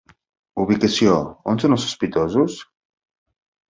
Ubicació – On són els sospitosos?